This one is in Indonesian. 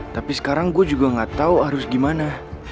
tapi sekarang gue juga gak tahu harus gimana